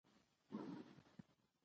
د افغانستان په منظره کې اوړي ښکاره ده.